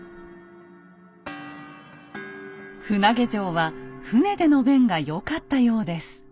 船上城は船での便が良かったようです。